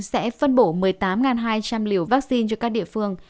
sẽ phân bổ một mươi tám hai trăm linh liều vaccine cho các địa phương